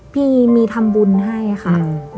พี่มีทำบุญให้ค่ะ